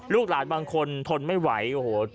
ลูกหลานบางคนทนไม่ไหวโอ้โห